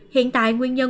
hiện tại nguyên nhân